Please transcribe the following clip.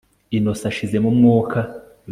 Innocent ashizemo umwuka